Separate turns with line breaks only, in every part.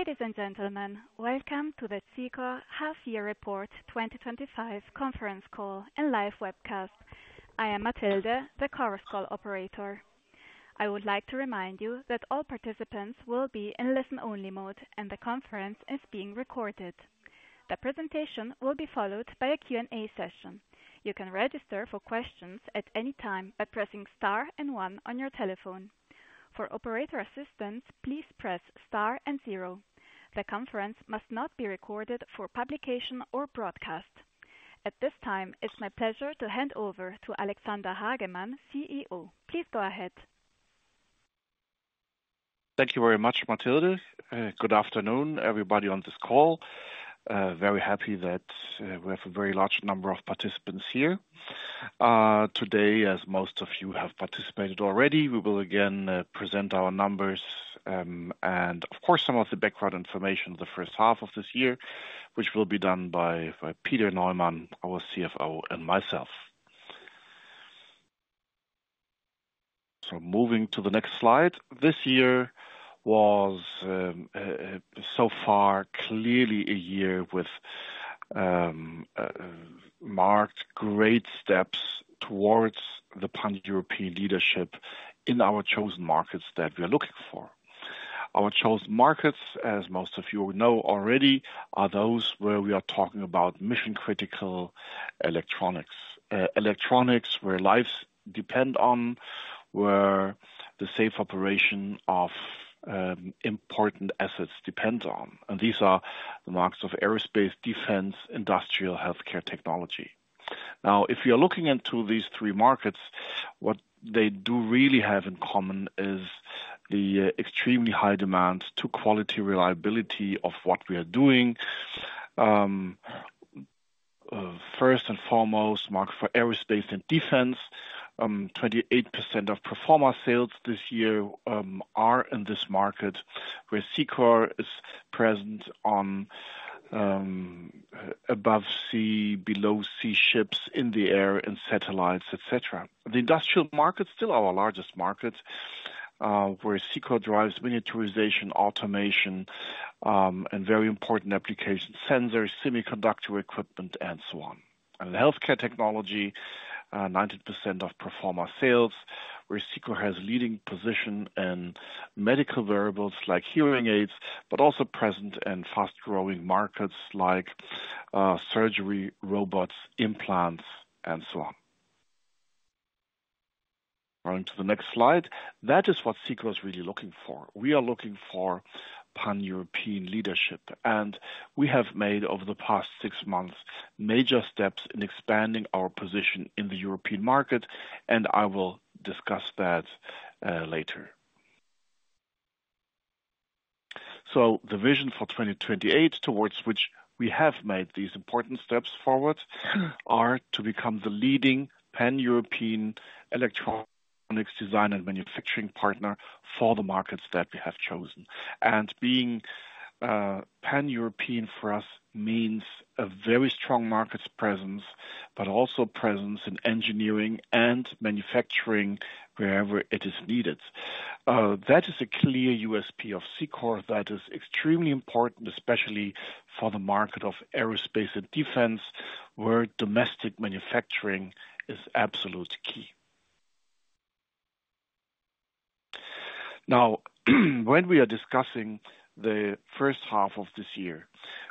Ladies and gentlemen, welcome to the Cicor Half Year Report 2025 conference call and live webcast. I am Matilde, the Chorus Call operator. I would like to remind you that all participants will be in listen-only mode, and the conference is being recorded. The presentation will be followed by a Q&A session. You can register for questions at any time by pressing star and one on your telephone. For operator assistance, please press star and zero. The conference must not be recorded for publication or broadcast. At this time, it's my pleasure to hand over to Alexander Hagemann, CEO. Please go ahead.
Thank you very much, Matilde. Good afternoon, everybody on this call. Very happy that we have a very large number of participants here. Today, as most of you have participated already, we will again present our numbers and, of course, some of the background information in the first half of this year, which will be done by Peter Neumann, our CFO, and myself. Moving to the next slide. This year was so far clearly a year with marked great steps towards the pan-European leadership in our chosen markets that we are looking for. Our chosen markets, as most of you know already, are those where we are talking about mission-critical electronics, electronics where lives depend on, where the safe operation of important assets depends on. These are the markets of aerospace, defense, industrial, and healthcare technology. Now, if you are looking into these three markets, what they do really have in common is an extremely high demand to quality reliability of what we are doing. First and foremost, the market for aerospace and defense, 28% of pro forma sales this year are in this market, where Cicor is present on above-sea, below-sea ships, in the air, and satellites, etc. The industrial market is still our largest market, where Cicor drives miniaturization, automation, and very important applications, sensors, semiconductor equipment, and so on. Healthcare technology, 19% of pro forma sales, where Cicor has a leading position in medical wearables like hearing aids, but also present in fast-growing markets like surgery, robots, implants, and so on. Going to the next slide. That is what Cicor is really looking for. We are looking for pan-European leadership. We have made, over the past six months, major steps in expanding our position in the European market, and I will discuss that later. The vision for 2028, towards which we have made these important steps forward, is to become the leading pan-European electronics design and manufacturing partner for the markets that we have chosen. Being pan-European for us means a very strong market presence, but also a presence in engineering and manufacturing wherever it is needed. That is a clear USP of Cicor that is extremely important, especially for the market of aerospace and defense, where domestic manufacturing is absolutely key. Now, when we are discussing the first half of this year,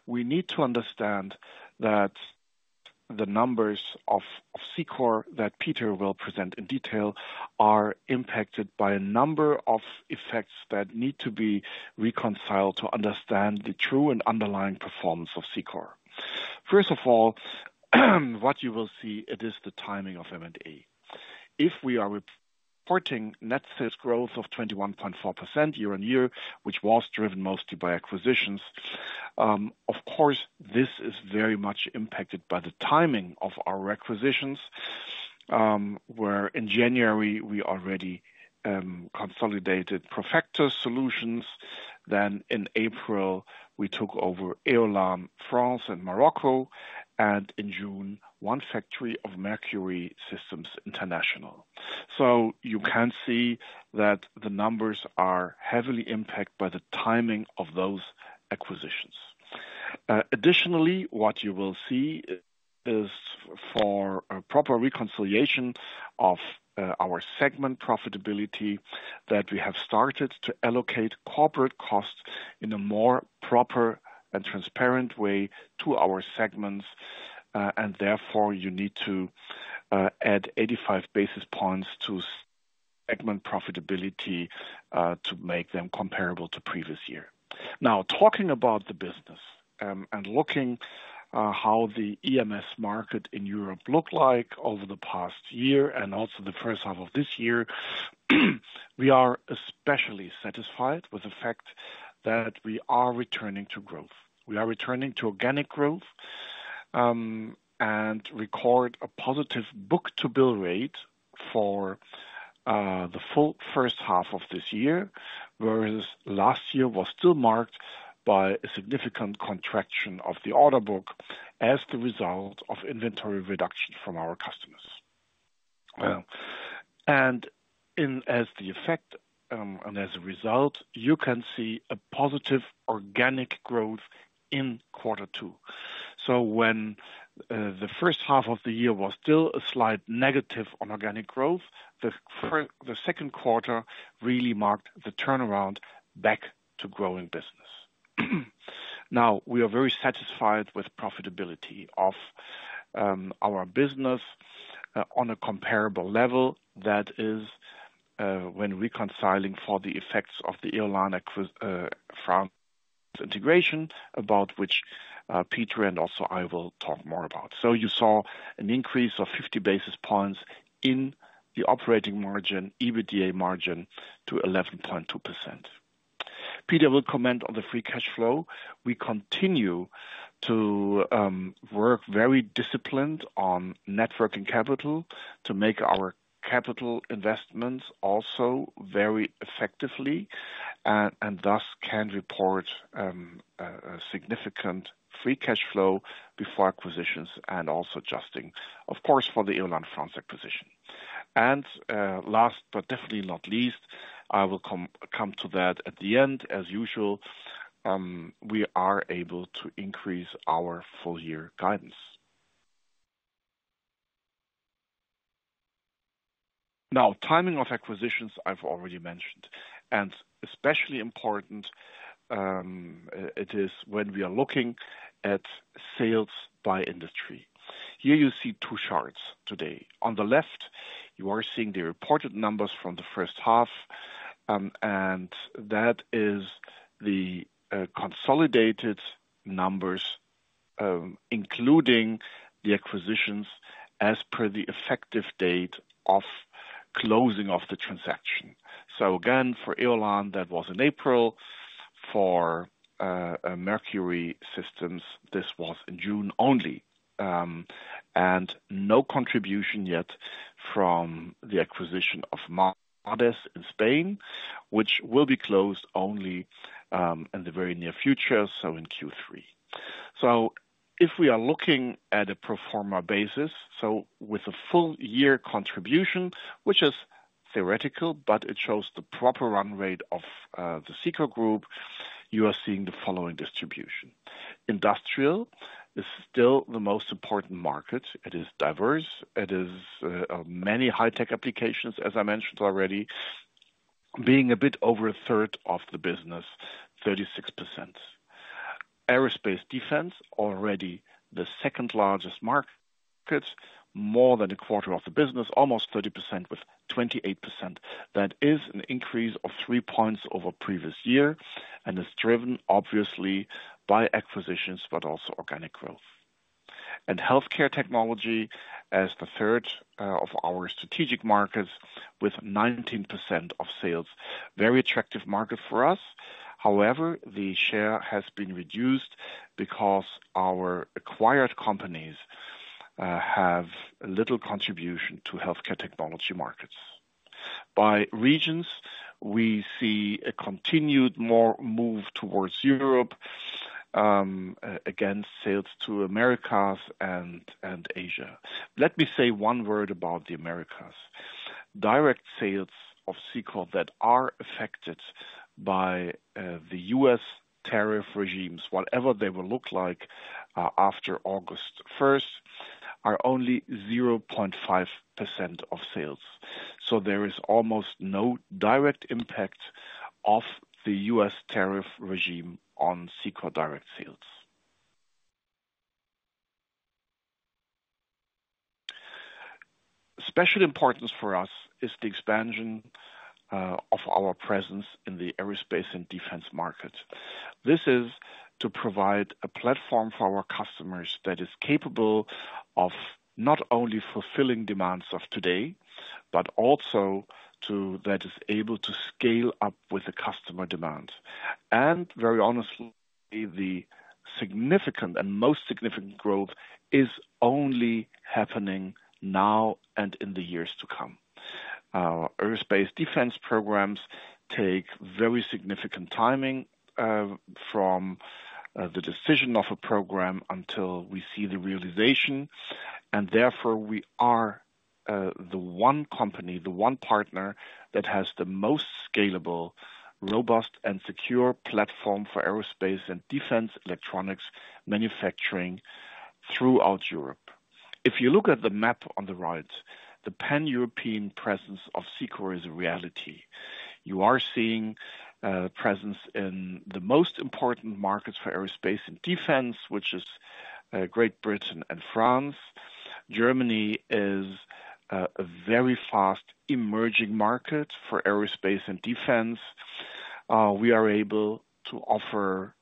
we need to understand that the numbers of Cicor that Peter will present in detail are impacted by a number of effects that need to be reconciled to understand the true and underlying performance of Cicor. First of all, what you will see, it is the timing of M&A. If we are reporting net sales growth of 21.4% year on year, which was driven mostly by acquisitions, of course, this is very much impacted by the timing of our acquisitions, where in January we already consolidated Profectus Solutions. Then in April, we took over Éolane France and Morocco, and in June, one factory of Mercury Systems International. So, you can see that the numbers are heavily impacted by the timing of those acquisitions. Additionally, what you will see is for a proper reconciliation of our segment profitability that we have started to allocate corporate costs in a more proper and transparent way to our segments. Therefore, you need to add 85 basis points to segment profitability to make them comparable to the previous year. Now, talking about the business and looking at how the EMS market in Europe looked like over the past year and also the first half of this year, we are especially satisfied with the fact that we are returning to growth. We are returning to organic growth and record a positive book-to-bill ratE for the full first half of this year, whereas last year was still marked by a significant contraction of the order book as the result of inventory reduction from our customers. As the effect and as a result, you can see a positive organic growth in quarter two. When the first half of the year was still a slight negative on organic growth, the second quarter really marked the turnaround back to growing business. We are very satisfied with the profitability of our business on a comparable level that is when reconciling for the effects of the Éolane France integration, about which Peter and also I will talk more about. You saw an increase of 50 basis points in the operating margin, EBITDA margin, to 11.2%. Peter will comment on the free cash flow. We continue to work very disciplined on net working capital to make our capital investments also very effectively and thus can report a significant free cash flow before acquisitions and also adjusting, of course, for the Éolane France acquisition. Last but definitely not least, I will come to that at the end. As usual, we are able to increase our full-year guidance. Now, timing of acquisitions I've already mentioned. It is especially important when we are looking at sales by industry. Here, you see two charts today. On the left, you are seeing the reported numbers from the first half, and that is the consolidated numbers including the acquisitions as per the effective date of closing of the transaction. Again, for Éolane, that was in April. For Mercury Systems, this was in June only. There is no contribution yet from the acquisition of MADES Spain, which will be closed only in the very near future, in Q3. If we are looking at a pro forma basis, with a full-year contribution, which is theoretical but shows the proper run rate of the Cicor group, you are seeing the following distribution. Industrial is still the most important market. It is diverse. It is many high-tech applications, as I mentioned already, being a bit over a third of the business, 36%. Aerospace defense, already the second largest market, more than a quarter of the business, almost 30% with 28%. That is an increase of three points over the previous year and is driven, obviously, by acquisitions but also organic growth. Healthcare technology as the third of our strategic markets with 19% of sales, a very attractive market for us. However, the share has been reduced because our acquired companies have a little contribution to healthcare technology markets. By regions, we see a continued move towards Europe, again, sales to the Americas and Asia. Let me say one word about the Americas. Direct sales of Cicor that are affected by the U.S. tariff regimes, whatever they will look like after August 1, are only 0.5% of sales. There is almost no direct impact of the U.S. tariff regime on Cicor direct sales. Special importance for us is the expansion of our presence in the aerospace and defense market. This is to provide a platform for our customers that is capable of not only fulfilling demands of today, but also that is able to scale up with the customer demand. Very honestly, the significant and most significant growth is only happening now and in the years to come. Our aerospace defense programs take very significant timing from the decision of a program until we see the realization. Therefore, we are the one company, the one partner that has the most scalable, robust, and secure platform for aerospace and defense electronics manufacturing throughout Europe. If you look at the map on the right, the pan-European presence of Cicor is a reality. You are seeing a presence in the most important markets for aerospace and defense, which is Great Britain and France. Germany is a very fast emerging market for aerospace and defense. We are able to offer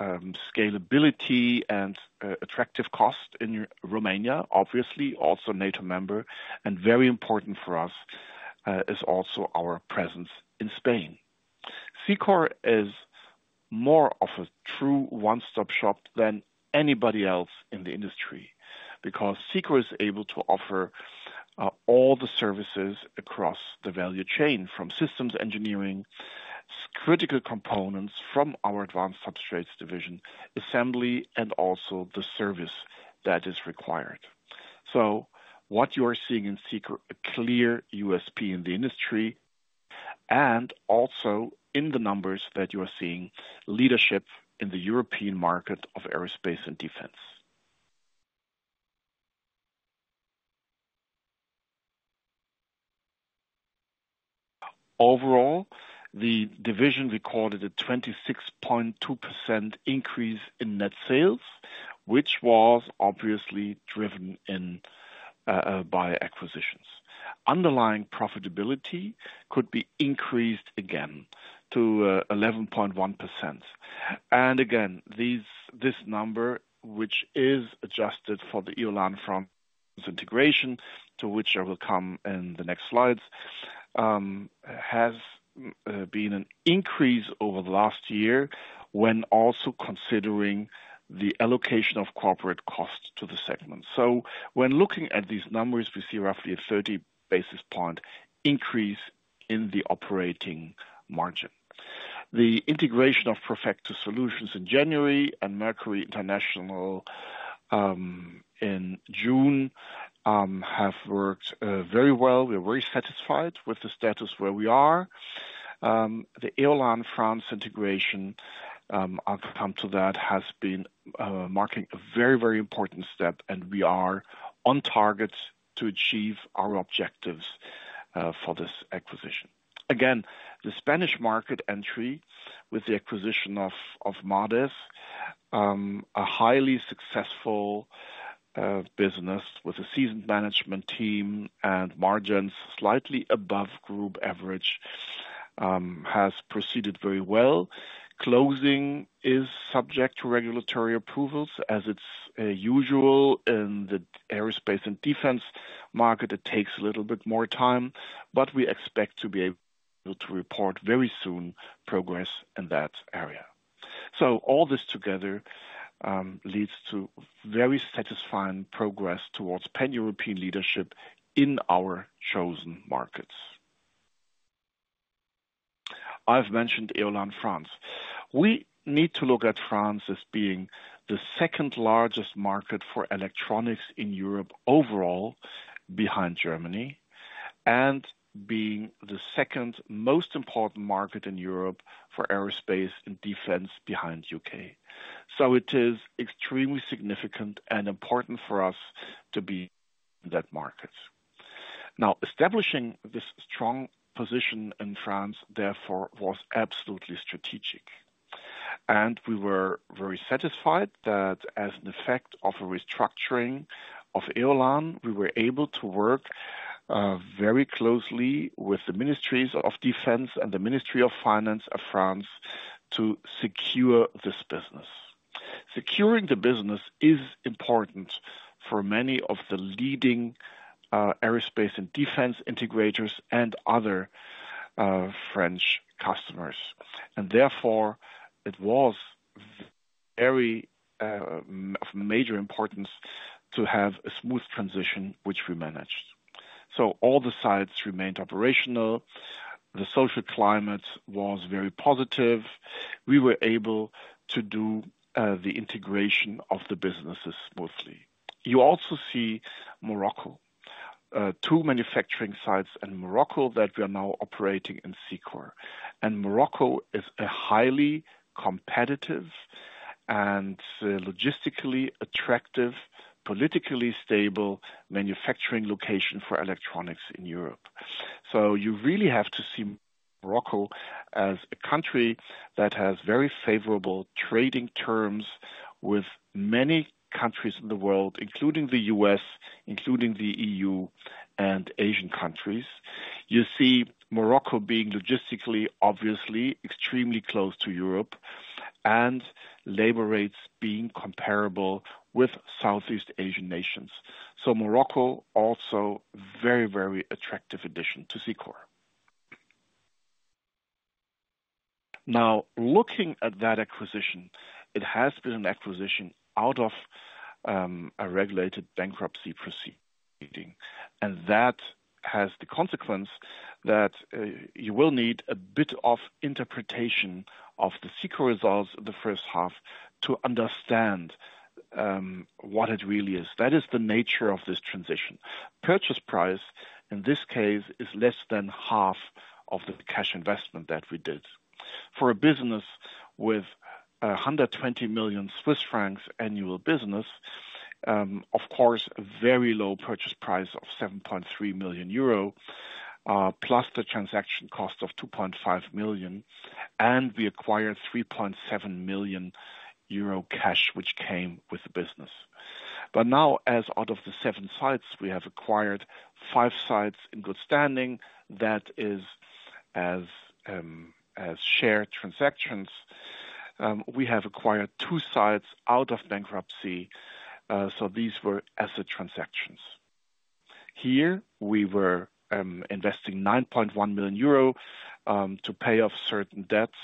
scalability and attractive costs in Romania, obviously, also a NATO member. Very important for us is also our presence in Spain. Cicor is more of a true one-stop shop than anybody else in the industry because Cicor is able to offer all the services across the value chain, from systems engineering, critical components from our advanced substrates division, assembly, and also the service that is required. What you are seeing in Cicor, a clear USP in the industry, and also in the numbers that you are seeing, leadership in the European market of aerospace and defense. Overall, the division recorded a 26.2% increase in net sales, which was obviously driven by acquisitions. Underlying profitability could be increased again to 11.1%. This number, which is adjusted for the Éolane France integration, to which I will come in the next slides, has been an increase over the last year when also considering the allocation of corporate costs to the segment. When looking at these numbers, we see roughly a 30 basis point increase in the operating margin. The integration of Profectus Solutions in January and Mercury International in June have worked very well. We are very satisfied with the status where we are. The Éolane France integration, I'll come to that, has been marking a very, very important step, and we are on target to achieve our objectives for this acquisition. The Spanish market entry with the acquisition of MADES, a highly successful business with a seasoned management team and margins slightly above group average, has proceeded very well. Closing is subject to regulatory approvals. As is usual in the aerospace and defense market, it takes a little bit more time, but we expect to be able to report very soon progress in that area. All this together leads to very satisfying progress towards pan-European leadership in our chosen markets. I've mentioned Éolane France. We need to look at France as being the second largest market for electronics in Europe overall, behind Germany, and being the second most important market in Europe for aerospace and defense, behind the U.K.. It is extremely significant and important for us to be in that market. Establishing this strong position in France, therefore, was absolutely strategic. We were very satisfied that, as an effect of a restructuring of Éolane, we were able to work very closely with the Ministries of Defense and the Ministry of Finance of France to secure this business. Securing the business is important for many of the leading aerospace and defense integrators and other French customers. Therefore, it was of very major importance to have a smooth transition, which we managed. All the sites remained operational. The social climate was very positive. We were able to do the integration of the businesses smoothly. You also see Morocco, two manufacturing sites in Morocco that we are now operating in Cicor. Morocco is a highly competitive and logistically attractive, politically stable manufacturing location for electronics in Europe. You really have to see Morocco as a country that has very favorable trading terms with many countries in the world, including the U.S., including the E.U., and Asian countries. You see Morocco being logistically, obviously, extremely close to Europe and labor rates being comparable with Southeast Asian nations. Morocco is also a very, very attractive addition to Cicor. Looking at that acquisition, it has been an acquisition out of a regulated bankruptcy proceeding. That has the consequence that you will need a bit of interpretation of the Cicor results of the first half to understand what it really is. That is the nature of this transition. Purchase price, in this case, is less than half of the cash investment that we did. For a business with 120 million Swiss francs annual business, of course, a very low purchase price of €7.3 million, plus the transaction cost of €2.5 million, and we acquired €3.7 million cash, which came with the business. Now, as out of the seven sites, we have acquired five sites in good standing. That is as shared transactions. We have acquired two sites out of bankruptcy. These were asset transactions. Here, we were investing €9.1 million to pay off certain debts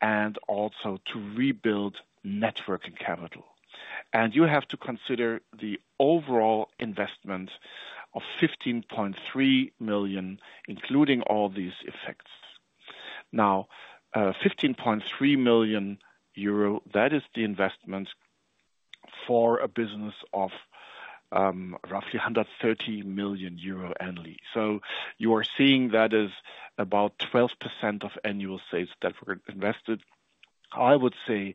and also to rebuild networking capital. You have to consider the overall investment of €15.3 million, including all these effects. Now, €15.3 million, that is the investment for a business of roughly €130 million annually. You are seeing that is about 12% of annual sales that were invested. I would say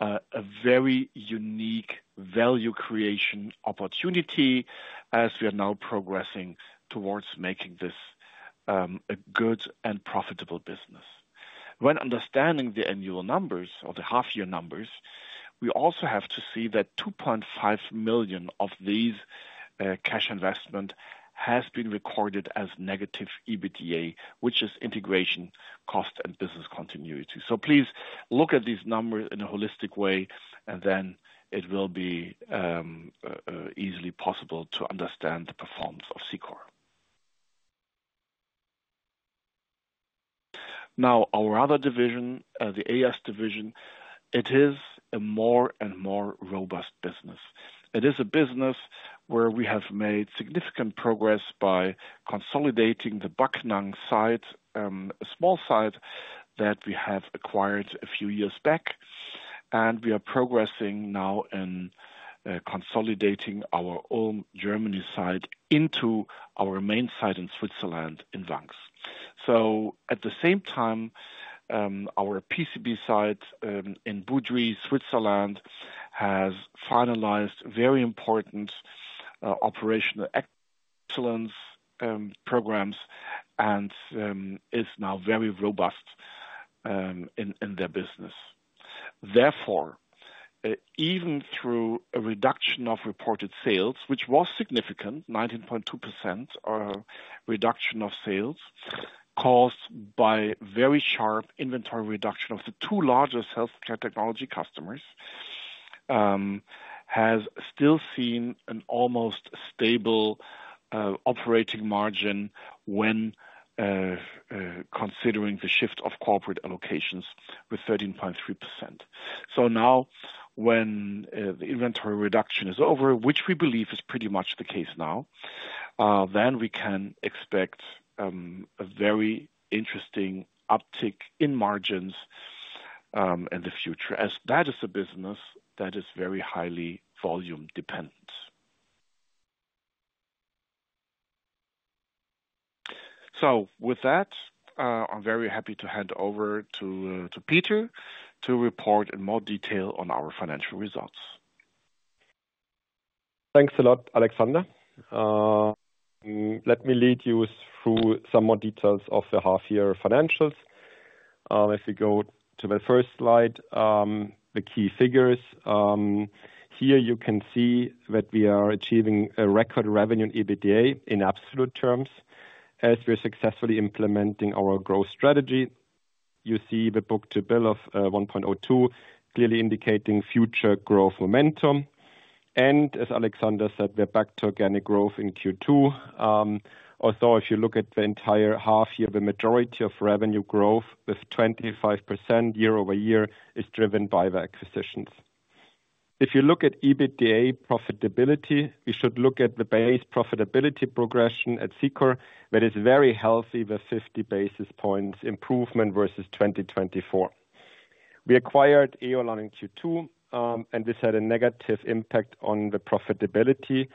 a very unique value creation opportunity as we are now progressing towards making this a good and profitable business. When understanding the annual numbers or the half-year numbers, we also have to see that €2.5 million of these cash investments have been recorded as negative EBITDA, which is integration cost and business continuity. Please look at these numbers in a holistic way, and then it will be easily possible to understand the performance of Cicor. Our other division, the AS division, is a more and more robust business. It is a business where we have made significant progress by consolidating the Backnang site, a small site that we acquired a few years back. We are progressing now in consolidating our own Germany site into our main site in Switzerland in Wangs. At the same time, our PCB site in Boudry, Switzerland, has finalized very important operational excellence programs and is now very robust in their business. Therefore, even through a reduction of reported sales, which was significant, 19.2% reduction of sales caused by very sharp inventory reduction of the two largest healthcare technology customers, has still seen an almost stable operating margin when considering the shift of corporate allocations with 13.3%. Now, when the inventory reduction is over, which we believe is pretty much the case now, we can expect a very interesting uptick in margins in the future as that is a business that is very highly volume-dependent. With that, I'm very happy to hand over to Peter to report in more detail on our financial results.
Thanks a lot, Alexander. Let me lead you through some more details of the half-year financials. If we go to the first slide, the key figures. Here, you can see that we are achieving a record revenue in EBITDA in absolute terms as we are successfully implementing our growth strategy. You see the book-to-bill of 1.02 clearly indicating future growth momentum. As Alexander said, we are back to organic growth in Q2. Also, if you look at the entire half-year, the majority of revenue growth with 25% year-over-year is driven by the acquisitions. If you look at EBITDA profitability, we should look at the base profitability progression at Cicor that is very healthy with 50 basis points improvement versus 2024. We acquired Éolane in Q2, and this had a negative impact on the profitability.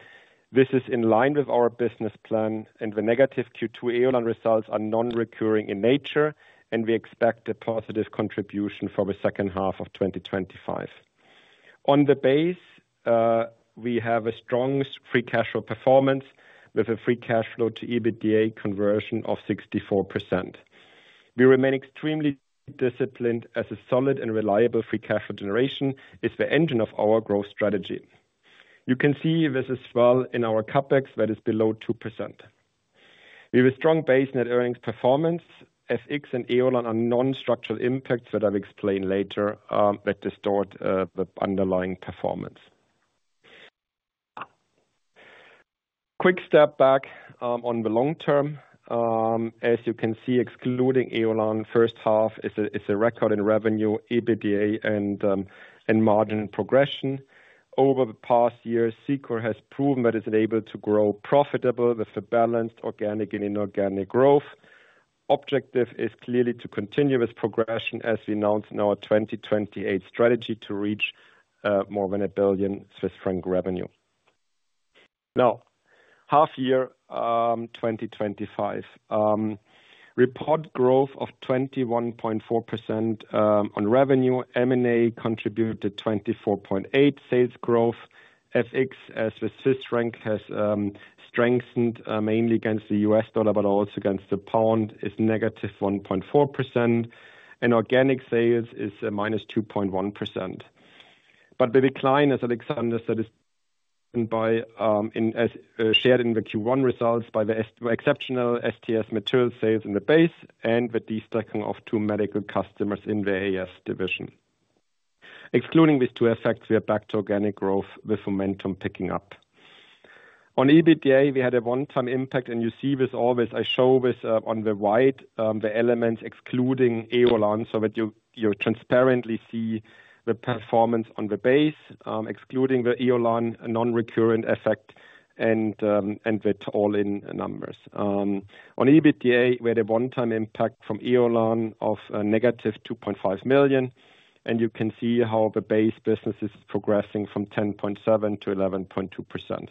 This is in line with our business plan, and the negative Q2 Éolane results are non-recurring in nature, and we expect a positive contribution for the second half of 2025. On the base, we have a strong free cash flow performance with a free cash flow to EBITDA conversion of 64%. We remain extremely disciplined as a solid and reliable free cash flow generation is the engine of our growth strategy. You can see this as well in our CapEx that is below 2%. We have a strong base net earnings performance. FX and Éolane are non-structural impacts that I've explained later that distort the underlying performance. Quick step back on the long term. As you can see, excluding Éolane, first half is a record in revenue, EBITDA, and margin progression. Over the past year, Cicor has proven that it is able to grow profitable with a balanced organic and inorganic growth. The objective is clearly to continue this progression as we announce in our 2028 strategy to reach more than a billion Swiss franc revenue. Now, half-year 2025. Reported growth of 21.4% on revenue. M&A contributed 24.8% sales growth. FX, as the Swiss franc has strengthened mainly against the US dollar, but also against the pound, is -1.4%. Organic sales is -2.1%. The decline, as Alexander said, is shared in the Q1 results by the exceptional STS materials sales in the base and the de-stacking of two medical customers in the AS division. Excluding these two effects, we are back to organic growth with momentum picking up. On EBITDA, we had a one-time impact, and you see this always. I show this on the white, the elements excluding Éolane, so that you transparently see the performance on the base, excluding the Éolane non-recurrent effect, and with all-in numbers. On EBITDA, we had a one-time impact from Éolane of -2.5 million, and you can see how the base business is progressing from 10.7%-11.2%.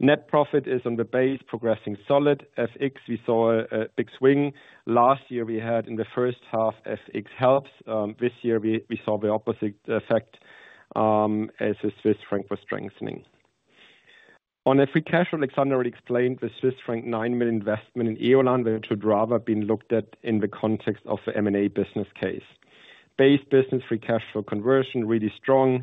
Net profit is on the base, progressing solid. FX, we saw a big swing. Last year, we had in the first half FX helps. This year, we saw the opposite effect as the Swiss franc was strengthening. On the free cash flow, Alexander already explained, the Swiss franc 9 million investment in Éolane would have rather been looked at in the context of the M&A business case. Base business free cash flow conversion is really strong.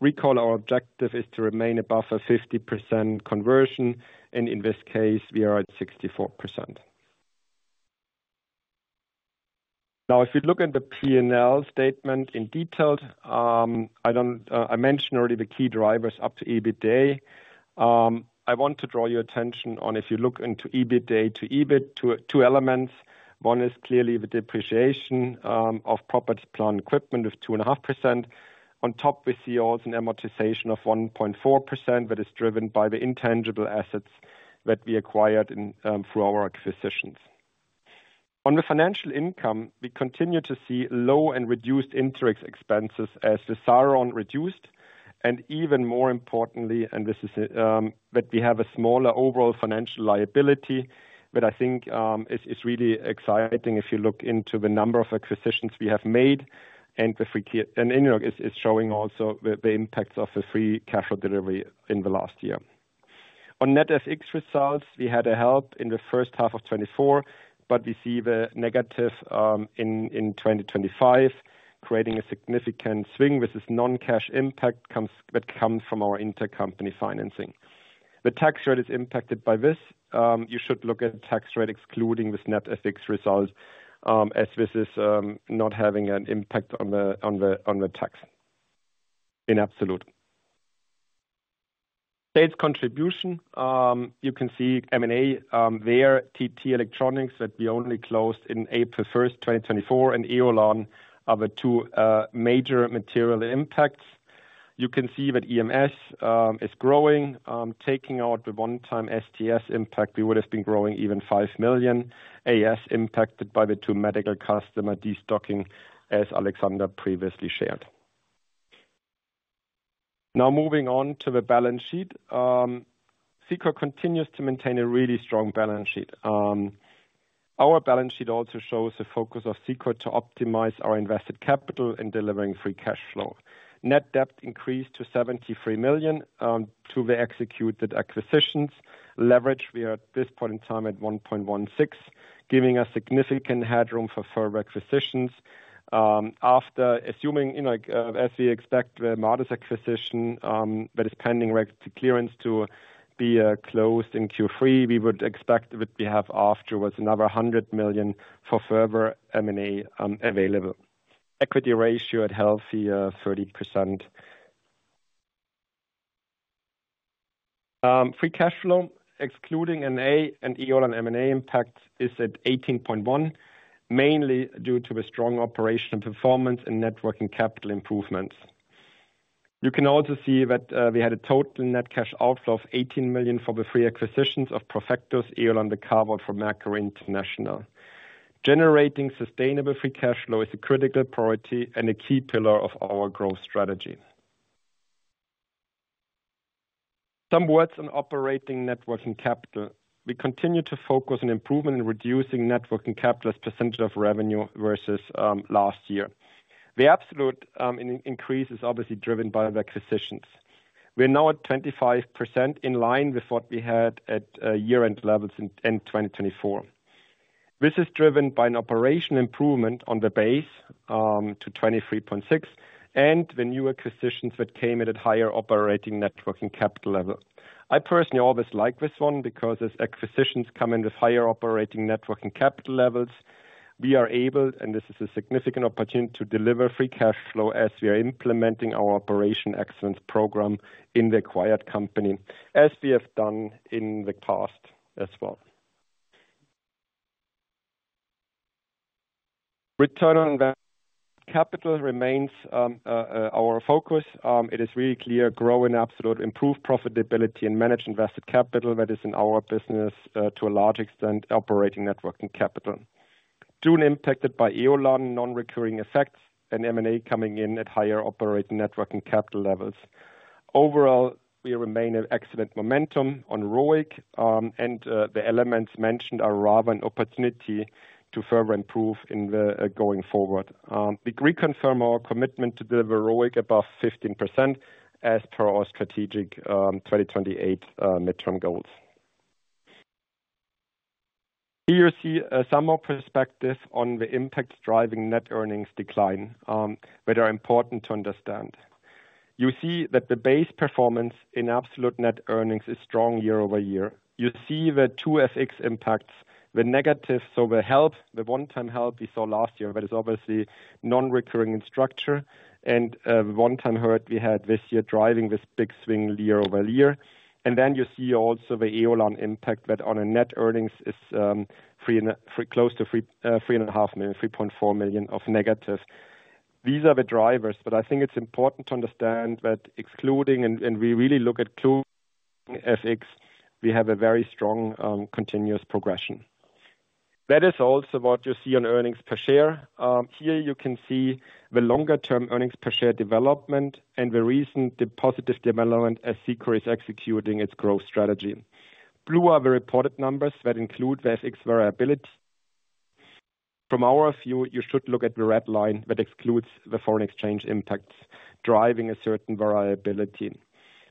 Recall, our objective is to remain above a 50% conversion, and in this case, we are at 64%. Now, if we look at the P&L statement in detail, I mentioned already the key drivers up to EBITDA. I want to draw your attention on if you look into EBITDA to EBIT two elements. One is clearly the depreciation of property, plant, and equipment with 2.5%. On top, we see also an amortization of 1.4% that is driven by the intangible assets that we acquired through our acquisitions. On the financial income, we continue to see low and reduced interest expenses as the SARON reduced. Even more importantly, and this is that we have a smaller overall financial liability, but I think it's really exciting if you look into the number of acquisitions we have made. In New York, it's showing also the impacts of the free cash flow delivery in the last year. On net FX results, we had a help in the first half of 2024, but we see the negative in 2025, creating a significant swing. This is non-cash impact that comes from our intercompany financing. The tax rate is impacted by this. You should look at the tax rate excluding this net FX result as this is not having an impact on the tax in absolute. States contribution, you can see M&A there, TT Electronics plc that we only closed in April 1st, 2024, and Éolane are the two major material impacts. You can see that EMS is growing, taking out the one-time STS impact. We would have been growing even 5 million. AS impacted by the two medical customer de-stocking, as Alexander previously shared. Now, moving on to the balance sheet, Cicor continues to maintain a really strong balance sheet. Our balance sheet also shows the focus of Cicor to optimize our invested capital in delivering free cash flow. Net debt increased to 73 million due to the executed acquisitions. Leverage, we are at this point in time at 1.16, giving us significant headroom for further acquisitions. After assuming, you know, as we expect the MADES acquisition that is pending clearance to be closed in Q3, we would expect that we have afterwards another 100 million for further M&A available. Equity ratio at healthy 30%. Free cash flow, excluding NA and M&A impact, is at 18.1 million, mainly due to a strong operational performance and net working capital improvements. You can also see that we had a total net cash outflow of 18 million for the acquisitions of Profectus, Éolane, the [car vault] for Mercury International. Generating sustainable free cash flow is a critical priority and a key pillar of our growth strategy. Some words on operating net working capital. We continue to focus on improvement in reducing net working capital as a percentage of revenue versus last year. The absolute increase is obviously driven by the acquisitions. We are now at 25% in line with what we had at year-end levels in 2024. This is driven by an operational improvement on the base to 23.6% and the new acquisitions that came in at higher operating net working capital levels. I personally always like this one because as acquisitions come in with higher operating net working capital levels, we are able, and this is a significant opportunity, to deliver free cash flow as we are implementing our operational excellence program in the acquired company, as we have done in the past as well. Return on the capital remains our focus. It is really clear growing absolute improved profitability and managed invested capital that is in our business to a large extent operating net working capital. [June impacted] by Éolane non-recurring effects and M&A coming in at higher operating net working capital levels, overall, we remain at excellent momentum on ROIC. The elements mentioned are rather an opportunity to further improve going forward. We reconfirm our commitment to deliver ROIC above 15% as per our strategic 2028 midterm goals. Here you see some more perspective on the impacts driving net earnings decline, which are important to understand. You see that the base performance in absolute net earnings is strong year-over-year. You see the two FX impacts, the negative, so the help, the one-time help we saw last year that is obviously non-recurring in structure and the one-time hurt we had this year driving this big swing year-over-year. You see also the Éolane impact that on net earnings is close to 3.5 million, 3.4 million of negative. These are the drivers, but I think it's important to understand that excluding, and we really look at clear FX, we have a very strong continuous progression. That is also what you see on earnings per share. Here you can see the longer-term earnings per share development and the recent positive development as Cicor is executing its growth strategy. Blue are the reported numbers that include the FX variability. From our view, you should look at the red line that excludes the foreign exchange impacts driving a certain variability.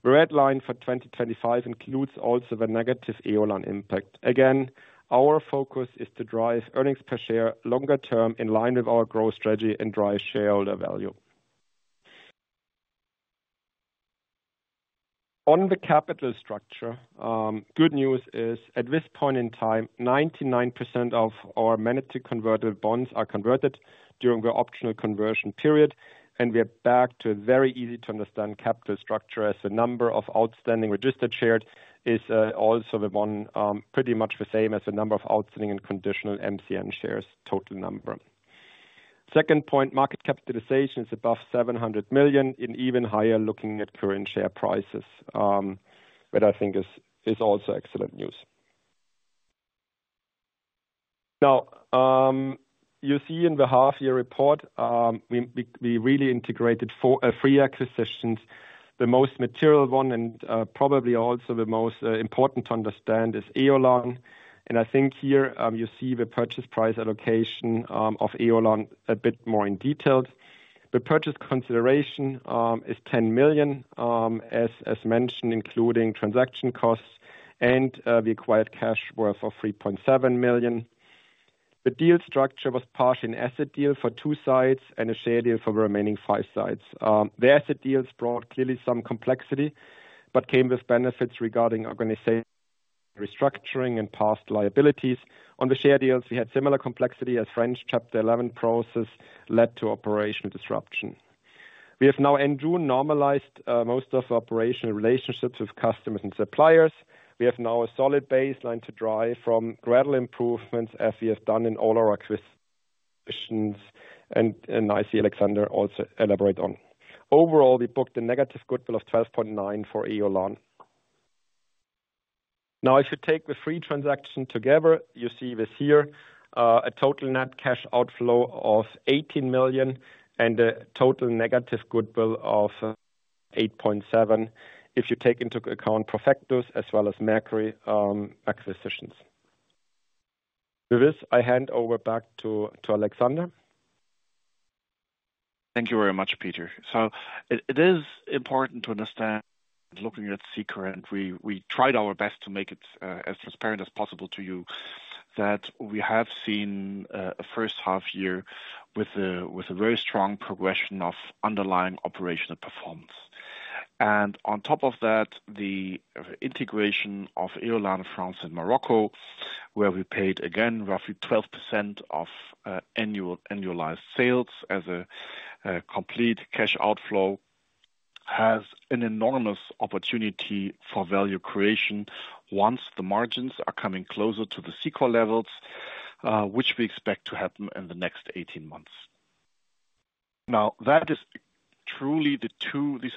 The red line for 2025 includes also the negative Éolane impact. Again, our focus is to drive earnings per share longer term in line with our growth strategy and drive shareholder value. On the capital structure, good news is at this point in time, 99% of our managed to convertible bonds are converted during the optional conversion period, and we are back to a very easy-to-understand capital structure as the number of outstanding registered shares is also the one, pretty much the same as the number of outstanding and conditional MCN shares total number. Second point, market capitalization is above 700 million and even higher looking at current share prices, which I think is also excellent news. Now, you see in the half-year report, we really integrated three acquisitions. The most material one and probably also the most important to understand is Éolane. I think here you see the purchase price allocation of Éolane a bit more in detail. The purchase consideration is 10 million, as mentioned, including transaction costs, and the acquired cash worth 3.7 million. The deal structure was partially an asset deal for two sites and a share deal for the remaining five sites. The asset deals brought clearly some complexity but came with benefits regarding organizational restructuring and past liabilities. On the share deals, we had similar complexity as French Chapter 11 process led to operational disruption. We have now, in June, normalized most of our operational relationships with customers and suppliers. We have now a solid baseline to drive from gradual improvements as we have done in all our acquisitions, and I see Alexander also elaborate on. Overall, we booked a negative goodwill of 12.9 million for Éolane. Now, if you take the three transactions together, you see this year, a total net cash outflow of 18 million and a total negative goodwill of 8.7 million if you take into account Profectus as well as Mercury acquisitions. With this, I hand over back to Alexander.
Thank you very much, Peter. It is important to understand, looking at Cicor, and we tried our best to make it as transparent as possible to you that we have seen a first half year with a very strong progression of underlying operational performance. On top of that, the integration of Éolane France and Morocco, where we paid again roughly 12% of annualized sales as a complete cash outflow, has an enormous opportunity for value creation once the margins are coming closer to the Cicor levels, which we expect to happen in the next 18 months. These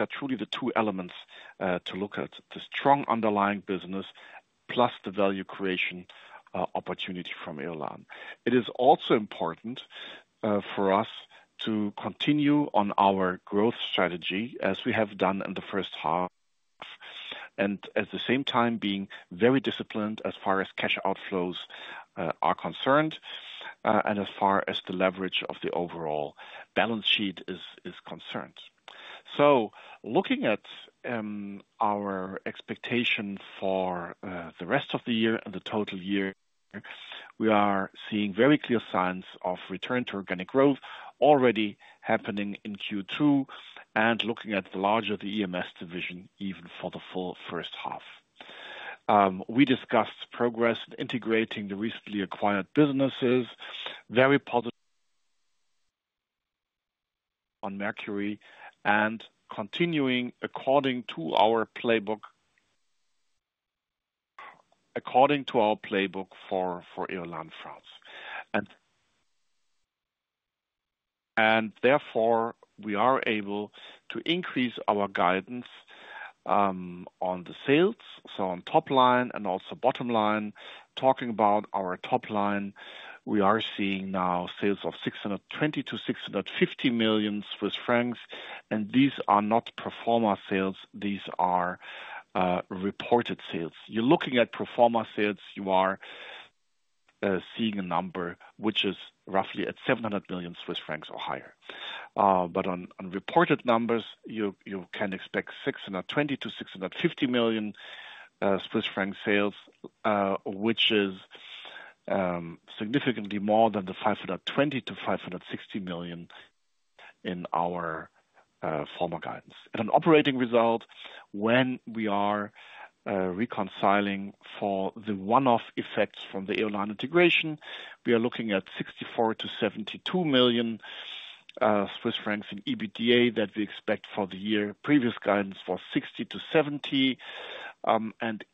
are truly the two elements to look at: the strong underlying business plus the value creation opportunity from Éolane. It is also important for us to continue on our growth strategy as we have done in the first half and at the same time be very disciplined as far as cash outflows are concerned and as far as the leverage of the overall balance sheet is concerned. Looking at our expectation for the rest of the year and the total year, we are seeing very clear signs of return to organic growth already happening in Q2 and looking at the larger the EMS division even for the full first half. We discussed progress in integrating the recently acquired businesses, very positive on Mercury, and continuing according to our playbook for Éolane France. Therefore, we are able to increase our guidance on the sales, so on top line and also bottom line. Talking about our top line, we are seeing now sales of 620 million-650 million Swiss francs, and these are not pro forma sales. These are reported sales. If you're looking at pro forma sales, you are seeing a number which is roughly at 700 million Swiss francs or higher. On reported numbers, you can expect 620 million-650 million Swiss franc sales, which is significantly more than the 520 million- 560 million in our former guidance. On operating result, when we are reconciling for the one-off effects from the Éolane integration, we are looking at 64 million-72 million Swiss francs in EBITDA that we expect for the year, previous guidance was 60 million-70 million.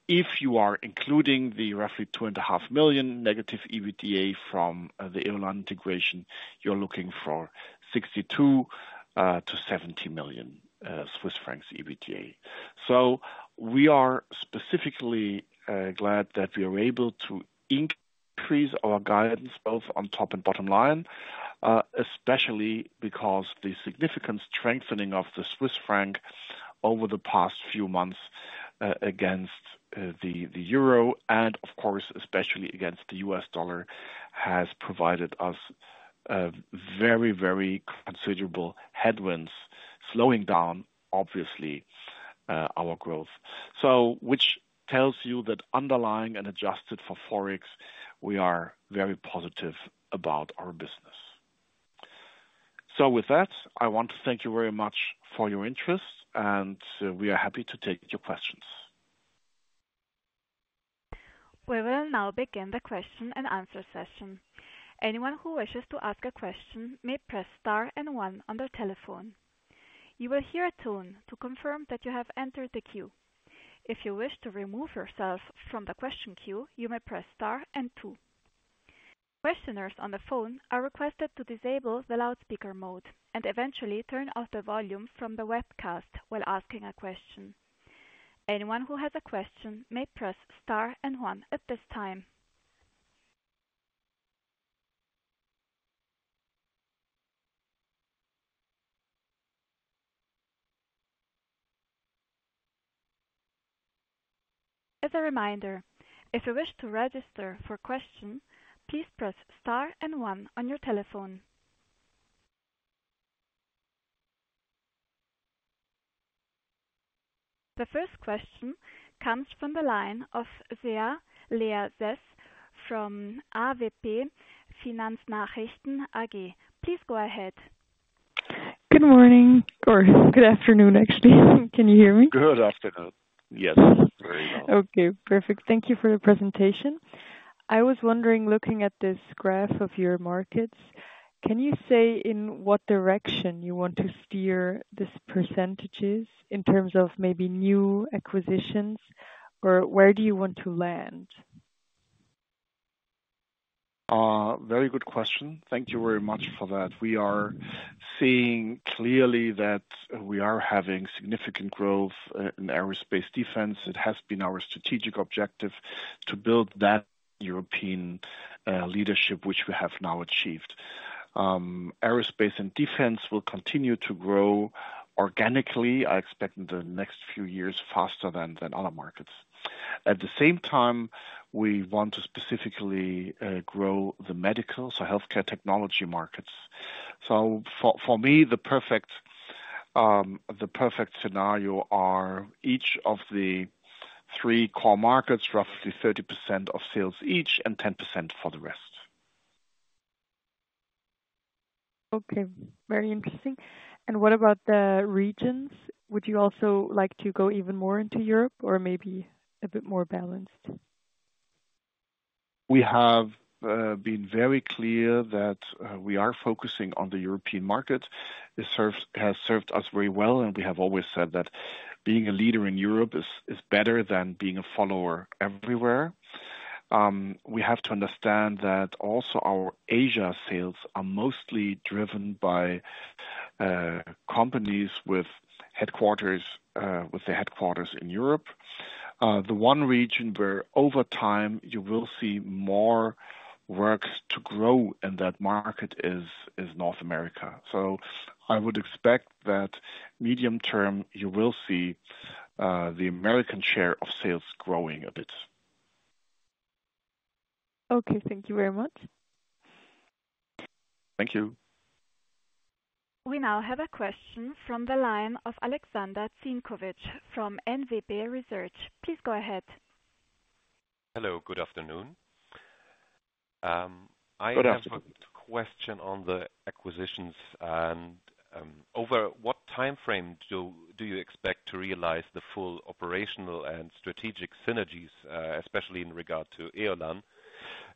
If you are including the roughly 2.5 million negative EBITDA from the Éolane integration, you're looking for 62 million-70 million Swiss francs EBITDA. We are specifically glad that we are able to increase our guidance both on top and bottom line, especially because the significant strengthening of the Swiss franc over the past few months against the euro, and of course, especially against the US dollar, has provided us very, very considerable headwinds slowing down, obviously, our growth. This tells you that underlying and adjusted for forex, we are very positive about our business. With that, I want to thank you very much for your interest, and we are happy to take your questions.
We will now begin the question and answer session. Anyone who wishes to ask a question may press star and one on their telephone. You will hear a tone to confirm that you have entered the queue. If you wish to remove yourself from the question queue, you may press star and two. Questioners on the phone are requested to disable the loudspeaker mode and eventually turn off the volume from the webcast while asking a question. Anyone who has a question may press star and one at this time. As a reminder, if you wish to register for a question, please press star and one on your telephone. The first question comes from the line of Leah Süss from AWP Finanznachrichten AG. Please go ahead.
Good morning, or good afternoon, actually. Can you hear me?
Good afternoon. Yes, very well.
Okay, perfect. Thank you for the presentation. I was wondering, looking at this graph of your markets, can you say in what direction you want to steer these percentages in terms of maybe new acquisitions or where do you want to land?
Very good question. Thank you very much for that. We are seeing clearly that we are having significant growth in aerospace defense. It has been our strategic objective to build that European leadership, which we have now achieved. Aerospace and defense will continue to grow organically. I expect in the next few years faster than other markets. At the same time, we want to specifically grow the medical, so healthcare technology markets. For me, the perfect scenario are each of the three core markets, roughly 30% of sales each and 10% for the rest.
Okay, very interesting. What about the regions? Would you also like to go even more into Europe or maybe a bit more balanced?
We have been very clear that we are focusing on the European market. It has served us very well, and we have always said that being a leader in Europe is better than being a follower everywhere. We have to understand that also our Asia sales are mostly driven by companies with headquarters in Europe. The one region where over time you will see more works to grow in that market is North America. I would expect that medium term you will see the American share of sales growing a bit.
Okay, thank you very much.
Thank you.
We now have a question from the line of Alexander Zienkowicz from MWB Research. Please go ahead.
Hello, good afternoon. I have a question on the acquisitions and over what timeframe do you expect to realize the full operational and strategic synergies, especially in regard to Éolane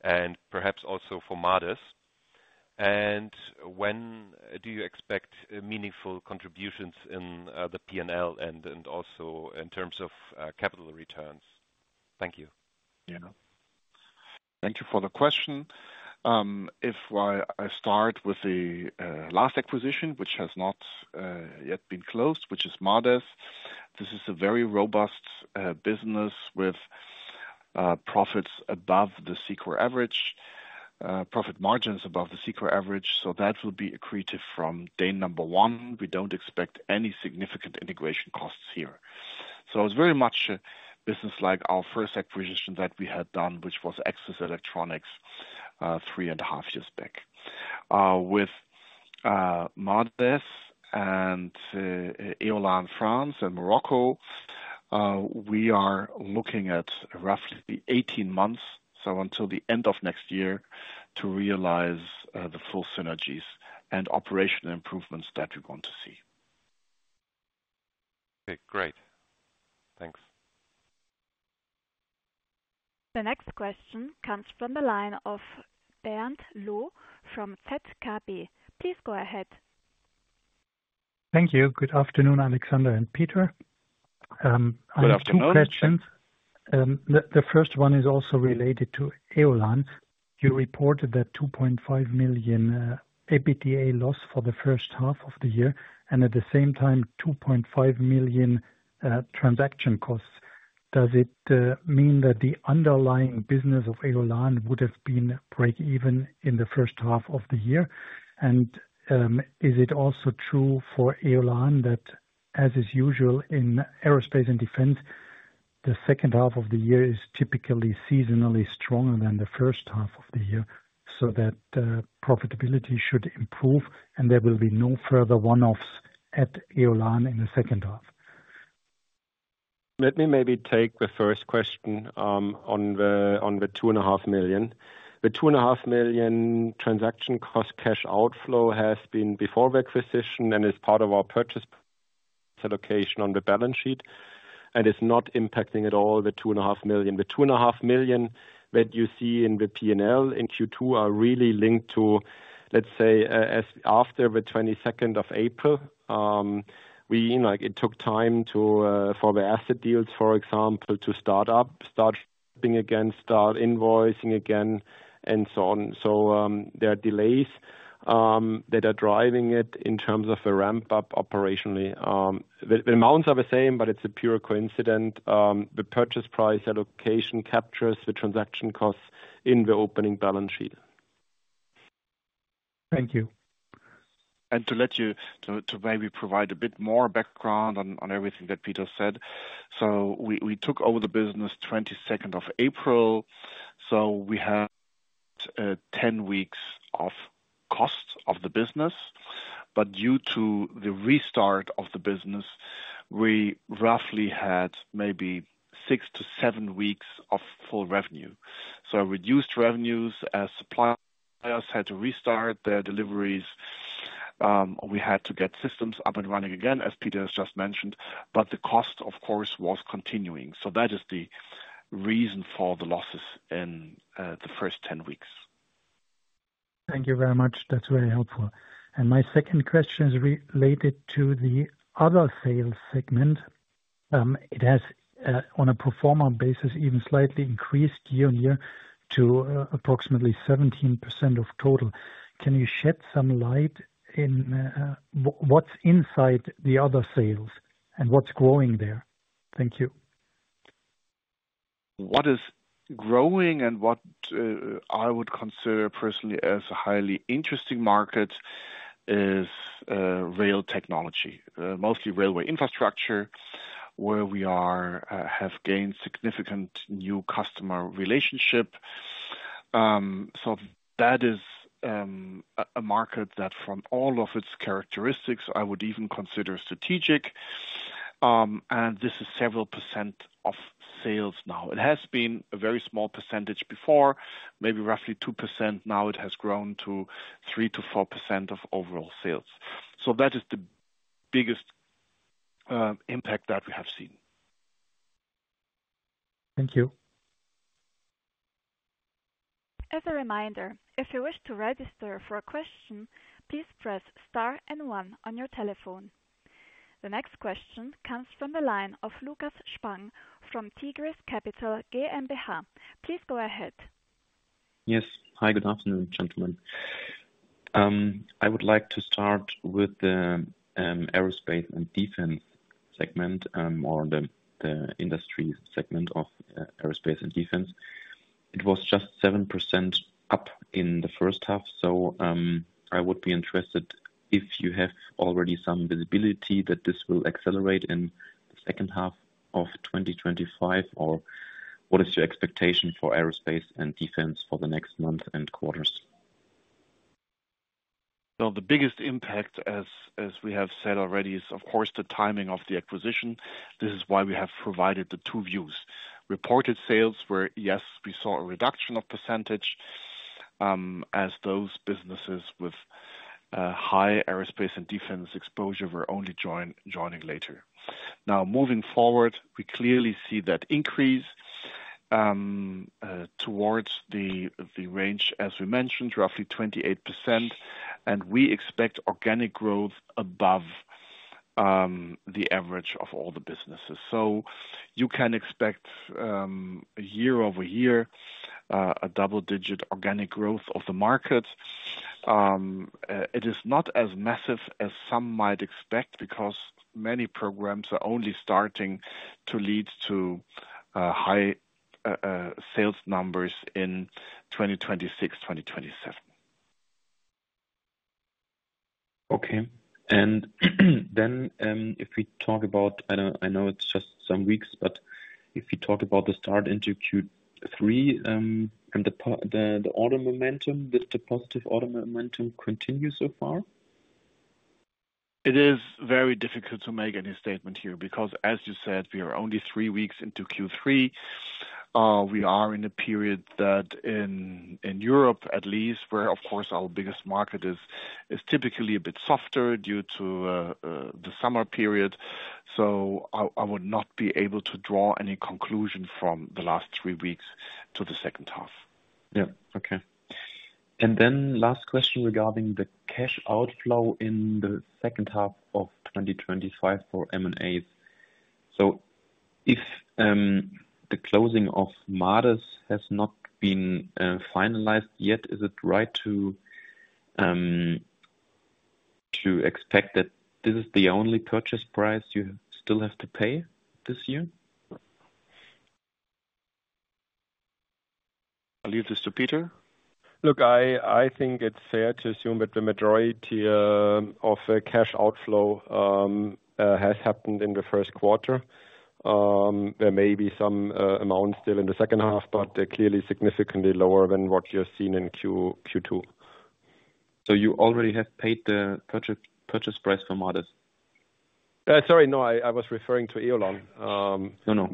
and perhaps also for MADES? When do you expect meaningful contributions in the P&L and also in terms of capital returns? Thank you.
Thank you for the question. If I start with the last acquisition, which has not yet been closed, which is MADES, this is a very robust business with profits above the Cicor average, profit margins above the Cicor average. That will be accretive from day number one. We don't expect any significant integration costs here. It is very much a business like our first acquisition that we had done, which was Axis Electronics three and a half years back. With MADES and Éolane France and Morocco, we are looking at roughly 18 months, so until the end of next year, to realize the full synergies and operational improvements that we want to see.
Okay, great. Thanks.
The next question comes from the line of Bernd Laux from ZKB. Please go ahead.
Thank you. Good afternoon, Alexander and Peter. I have two questions. The first one is also related to Éolane. You reported that 2.5 million EBITDA loss for the first half of the year, and at the same time, 2.5 million transaction costs. Does it mean that the underlying business of Éolane would have been break-even in the first half of the year? Is it also true for Éolane that, as is usual in aerospace and defense, the second half of the year is typically seasonally stronger than the first half of the year, so that profitability should improve, and there will be no further one-off's at Éolane in the second half?
Let me maybe take the first question on the 2.5 million. The 2.5 million transaction cost cash outflow has been before the acquisition and is part of our purchase allocation on the balance sheet, and it's not impacting at all the 2.5 million. The 2.5 million that you see in the P&L in Q2 are really linked to, let's say, after the 22nd of April. It took time for the asset deals, for example, to start up, start being again, start invoicing again, and so on. There are delays that are driving it in terms of a ramp-up operationally. The amounts are the same, but it's a pure coincidence. The purchase price allocation captures the transaction costs in the opening balance sheet.
Thank you.
To maybe provide a bit more background on everything that Peter said, we took over the business 22nd of April, so we had 10 weeks of cost of the business. Due to the restart of the business, we roughly had maybe six to seven weeks of full revenue. Reduced revenues as suppliers had to restart their deliveries. We had to get systems up and running again, as Peter has just mentioned. The cost, of course, was continuing. That is the reason for the losses in the first 10 weeks.
Thank you very much. That's very helpful. My second question is related to the other sales segment. It has, on a pro forma basis, even slightly increased year-on-year to approximately 17% of total. Can you shed some light on what's inside the other sales and what's growing there? Thank you.
What is growing and what I would consider personally as a highly interesting market is rail technology, mostly railway infrastructure, where we have gained significant new customer relationships. That is a market that, from all of its characteristics, I would even consider strategic. This is several percent of sales now. It has been a very small percentage before, maybe roughly 2%. Now it has grown to 3%-4% of overall sales. That is the biggest impact that we have seen.
Thank you.
As a reminder, if you wish to register for a question, please press star and one on your telephone. The next question comes from the line of Lukas Spang from Tigris Capital GmbH. Please go ahead.
Yes. Hi, good afternoon, gentlemen. I would like to start with the aerospace and defense segment or the industry segment of aerospace and defense. It was just 7% up in the first half. I would be interested if you have already some visibility that this will accelerate in the second half of 2025, or what is your expectation for aerospace and defense for the next month and quarters?
The biggest impact, as we have said already, is, of course, the timing of the acquisition. This is why we have provided the two views. Reported sales were, yes, we saw a reduction of percentage as those businesses with high aerospace and defense exposure were only joining later. Now, moving forward, we clearly see that increase towards the range, as we mentioned, roughly 28%. We expect organic growth above the average of all the businesses. You can expect a year-over-year a double-digit organic growth of the market. It is not as massive as some might expect because many programs are only starting to lead to high sales numbers in 2026, 2027.
Okay. If we talk about, I know it's just some weeks, but if you talk about the start into Q3 and the auto momentum, did the positive auto momentum continue so far?
It is very difficult to make any statement here because, as you said, we are only three weeks into Q3. We are in a period that in Europe, at least, where, of course, our biggest market is typically a bit softer due to the summer period. I would not be able to draw any conclusion from the last three weeks to the second half.
Okay. Last question regarding the cash outflow in the second half of 2025 for M&A activity. If the closing of MADES has not been finalized yet, is it right to expect that this is the only purchase price you still have to pay this year?
I'll leave this to Peter.
I think it's fair to assume that the majority of cash outflow has happened in the first quarter. There may be some amounts still in the second half, but they're clearly significantly lower than what you've seen in Q2.
Have you already paid the purchase price for MADES?
Sorry, no, I was referring to Éolane.
I know.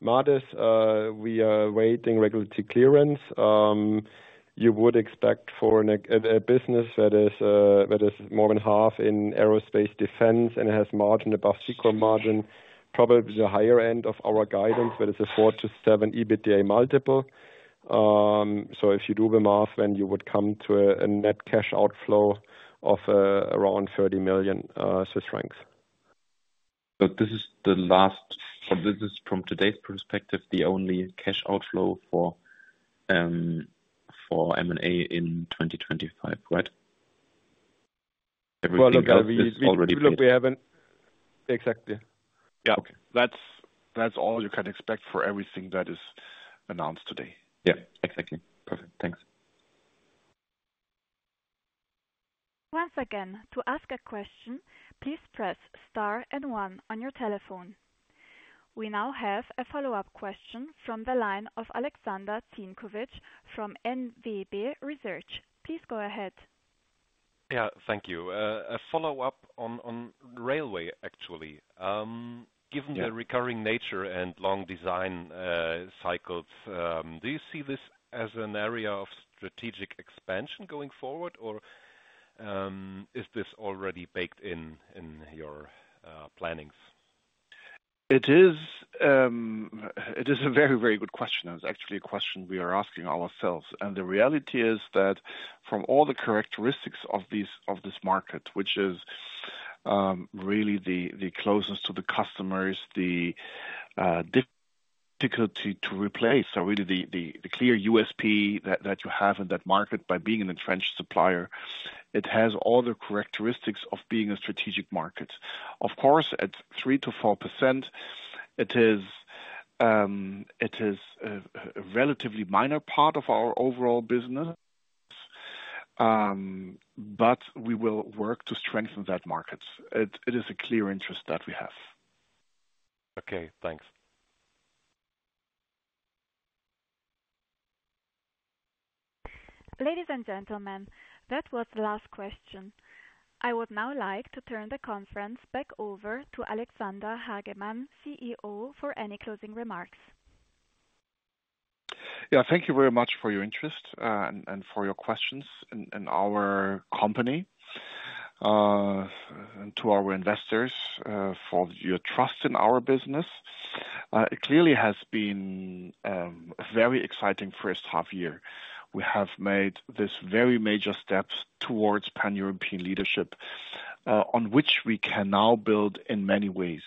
MADES, we are awaiting regulatory clearance. You would expect for a business that is more than half in aerospace defense and has margin above Cicor margin, probably the higher end of our guidance, where there's a 4 to 7 EBITDA multiple. If you do the math, then you would come to a net cash outflow of around 30 million Swiss francs.
This is from today's perspective, the only cash outflow for M&A in 2025, right?
Look, we haven't. Exactly.
Yeah.
Okay, that's all you can expect for everything that is announced today.
Yeah, exactly. Perfect. Thanks.
Once again, to ask a question, please press star and one on your telephone. We now have a follow-up question from the line of Alexander Zienkowicz from MWB Research. Please go ahead.
Yeah, thank you. A follow-up on the railway, actually. Given the recurring nature and long design cycles, do you see this as an area of strategic expansion going forward, or is this already baked in in your plannings?
It is a very, very good question. It's actually a question we are asking ourselves. The reality is that from all the characteristics of this market, which is really the closeness to the customers, the difficulty to replace, really the clear USP that you have in that market by being a French supplier, it has all the characteristics of being a strategic market. Of course, at 3-4%, it is a relatively minor part of our overall business, but we will work to strengthen that market. It is a clear interest that we have.
Okay, thanks.
Ladies and gentlemen, that was the last question. I would now like to turn the conference back over to Alexander Hagemann, CEO, for any closing remarks.
Thank you very much for your interest and for your questions in our company and to our investors for your trust in our business. It clearly has been a very exciting first half year. We have made this very major step towards pan-European leadership, on which we can now build in many ways,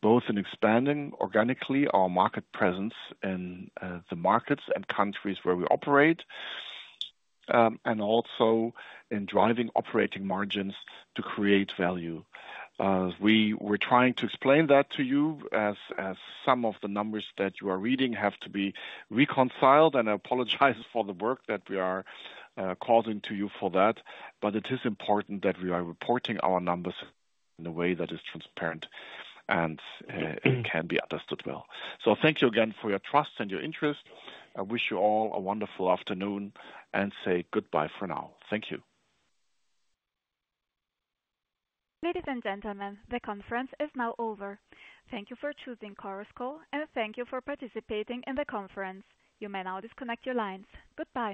both in expanding organically our market presence in the markets and countries where we operate, and also in driving operating margins to create value. We were trying to explain that to you as some of the numbers that you are reading have to be reconciled, and I apologize for the work that we are causing to you for that. It is important that we are reporting our numbers in a way that is transparent and can be understood well. Thank you again for your trust and your interest. I wish you all a wonderful afternoon and say goodbye for now. Thank you.
Ladies and gentlemen, the conference is now over. Thank you for choosing Chorus Call, and thank you for participating in the conference. You may now disconnect your lines. Goodbye.